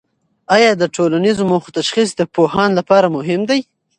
آیا د ټولنیزو موخو تشخیص د پوهاند لپاره مهم دی؟